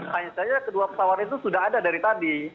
hanya saja kedua pesawat itu sudah ada dari tadi